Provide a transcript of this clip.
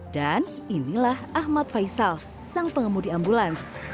dan inilah ahmad faisal sang pengemudi ambulans